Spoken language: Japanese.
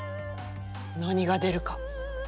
何が出るか。